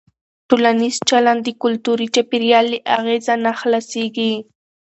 ټولنیز چلند د کلتوري چاپېریال له اغېزه نه خلاصېږي.